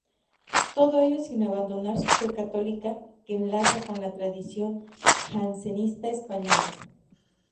Todo ello sin abandonar su fe católica, que enlaza con la tradición jansenista española.